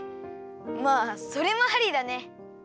まあそれもありだね。